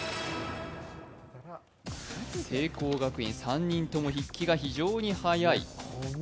聖光学院、３人とも筆記が非常にはやい。